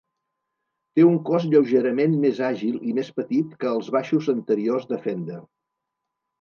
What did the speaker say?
Té un cos lleugerament més àgil i més petit que els baixos anteriors de Fender.